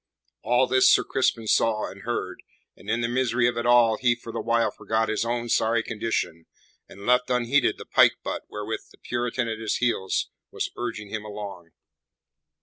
All this Sir Crispin saw and heard, and in the misery of it all, he for the while forgot his own sorry condition, and left unheeded the pike butt wherewith the Puritan at his heels was urging him along.